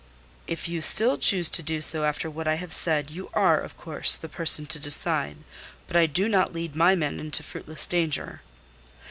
"If you still choose to do so after what I have said, you are, of course, the person to decide. But I do not lead my men into fruitless danger."